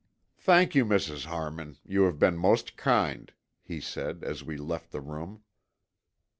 "Thank you, Mrs. Harmon, you have been most kind," he said, as we left the room.